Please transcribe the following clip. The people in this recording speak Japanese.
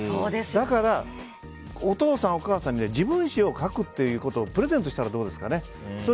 だから、お父さん、お母さんの自分史を書くっていうことをプレゼントしたらどうですかね？